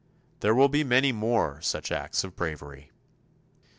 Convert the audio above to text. There will be many more such acts of bravery.